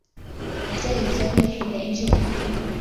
يحتاج سامي لحذاء جديد.